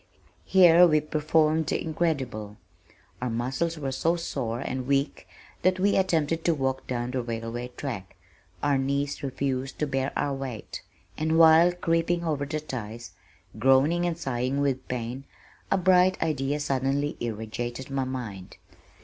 Here we performed the incredible. Our muscles were so sore and weak that as we attempted to walk down the railway track, our knees refused to bear our weight, and while creeping over the ties, groaning and sighing with pain, a bright idea suddenly irradiated my mind.